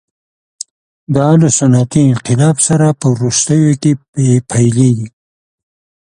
دا له صنعتي انقلاب سره په وروستیو کې پیلېږي.